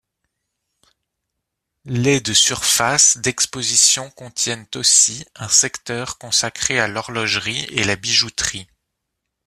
Les de surface d'exposition contiennent, aussi, un secteur consacré à l'horlogerie et la bijouterie.